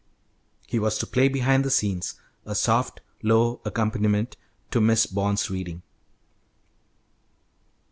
He was to play behind the scenes, a soft, low accompaniment to Miss Bond's reading.